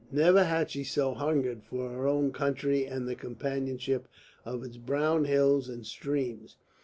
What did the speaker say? Never had she so hungered for her own country and the companionship of its brown hills and streams.